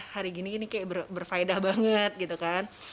hari gini gini kayak berfaedah banget gitu kan